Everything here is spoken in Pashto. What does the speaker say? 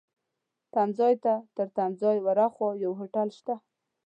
تمځای ته، تر تمځای ورهاخوا یو هوټل شته.